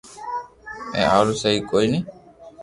اي ھارو سھي ڪوئي ني